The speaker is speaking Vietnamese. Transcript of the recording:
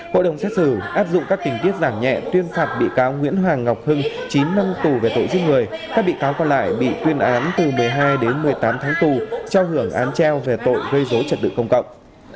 hội đồng xét xử áp dụng các tình tiết giảm nhẹ tuyên phạt bị cáo nguyễn hoàng ngọc hưng chín năm tù về tội giết người các bị cáo còn lại bị tuyên án từ một mươi hai đến một mươi tám tháng tù cho hưởng án treo về tội gây dối trật tự công cộng